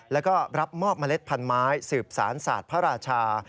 แล้วก็รับมอบเมล็ดพันไม้สืบสารศาสตร์พระราชา